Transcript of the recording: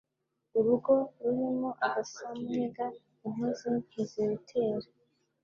Urugo rurimo agasamunyiga, intozi ntizirutera